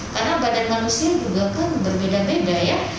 karena badan manusia juga kan berbeda beda ya